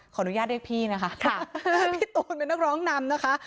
ขออนุญาตเรียกพี่นะคะพี่ตูนเป็นนักร้องนำนะคะ